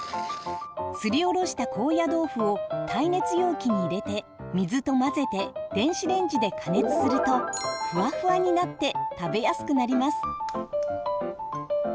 すりおろした高野豆腐を耐熱容器に入れて水と混ぜて電子レンジで加熱するとふわふわになって食べやすくなります。